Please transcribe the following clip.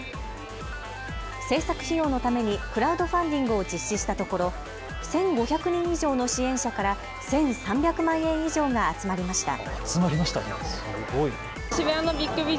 製作費用のためにクラウドファンディングを実施したところ１５００人以上の支援者から１３００万円以上が集まりました。